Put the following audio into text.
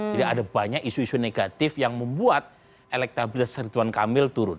jadi ada banyak isu isu negatif yang membuat elektabilitas ridwan kamil turun